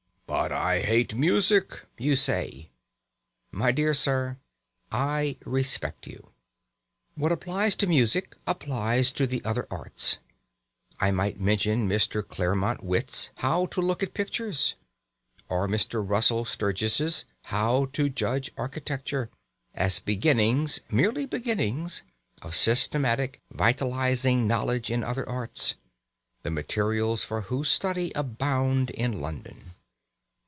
"But I hate music!" you say. My dear sir, I respect you. What applies to music applies to the other arts. I might mention Mr. Clermont Witt's "How to Look at Pictures," or Mr. Russell Sturgis's "How to Judge Architecture," as beginnings (merely beginnings) of systematic vitalising knowledge in other arts, the materials for whose study abound in London.